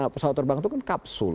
pesawat terbang itu kan kapsul